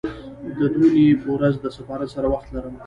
د دونۍ په ورځ د سفارت سره وخت لرم